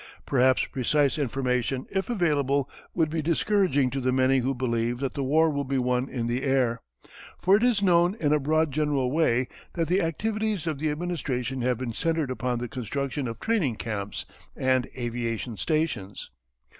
Perhaps precise information, if available, would be discouraging to the many who believe that the war will be won in the air. For it is known in a broad general way that the activities of the Administration have been centred upon the construction of training camps and aviation stations.